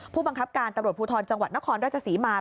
ผู้บังคับการตำรวจภูทรจังหวัดนครราชศรีมา